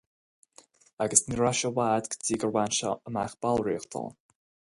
Agus ní raibh sé i bhfad go dtí gur bhain sé amach ballraíocht ann.